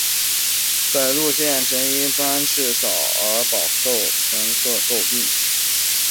本路线曾因班次少而饱受乘客诟病。